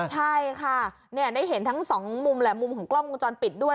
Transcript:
ใช่ค่ะได้เห็นทั้ง๒มุมมุมของกล้องมุมจรปิดด้วย